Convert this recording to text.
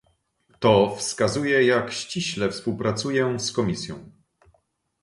To wskazuje, jak ściśle współpracuję z Komisją